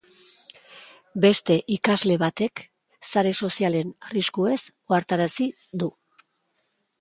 Beste ikasle batek sare sozialen arriskuez ohartarazi du.